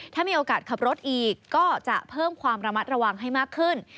ถ้ามีโอกาสขับรถอีกก็จะเพิ่มความระมัดระวังให้มากขึ้น